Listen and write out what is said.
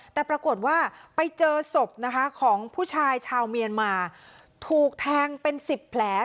แต่ปรากฏว่าไปเจอศพนะคะของผู้ชายชาวเมียนมาถูกแทงเป็นสิบแผล